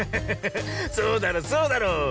そうだろそうだろう。